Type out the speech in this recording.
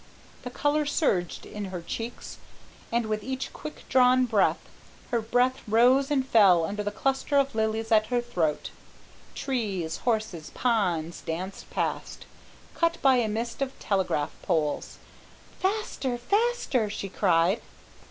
The colour surged in her cheeks, and, with each quick drawn breath, her breath rose and fell under the cluster of lilies at her throat. Trees, houses, ponds, danced past, cut by a mist of telegraph poles. "Faster! faster!" she cried.